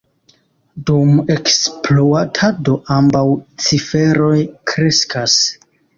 Dum ekspluatado ambaŭ ciferoj kreskas.